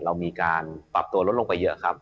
เรามีการปรับตัวลดลงไปเยอะครับ